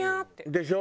でしょ？